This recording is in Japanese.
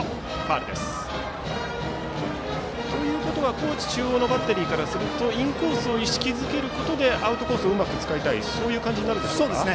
高知中央のバッテリーからするとインコースを意識づけることでアウトコースをうまく使いたい感じになるでしょうか。